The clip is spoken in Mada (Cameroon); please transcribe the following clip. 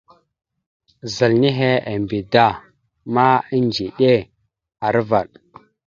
Zal nehe embe da ma, edziɗe aravaɗ.